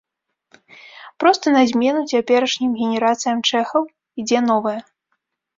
Проста на змену цяперашнім генерацыям чэхаў ідзе новая.